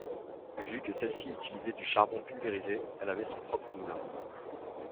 Vu que celle-ci utilisait du charbon pulvérisé, elle avait son propre moulin.